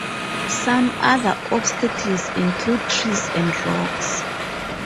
Some other obstacles include trees and rocks.